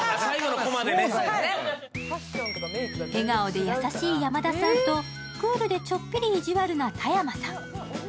笑顔で優しい山田さんと、クールでちょっぴり意地悪な田山さん。